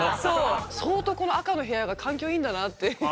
相当この赤の部屋が環境いいんだなって。